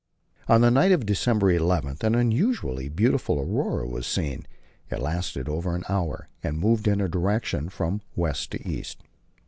On the night of December 11 an unusually beautiful aurora was seen; it lasted over an hour, and moved in a direction from west to east.